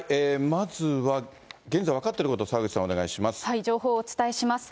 まずは現在分かっていること、情報をお伝えします。